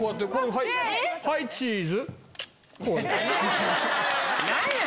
はい、チーズ。